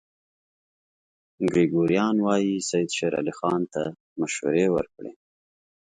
ګریګوریان وايي سید شېر علي خان ته مشورې ورکړې.